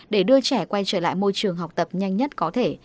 để đưa trẻ quay trở lại môi trường học tập nhanh nhất có thể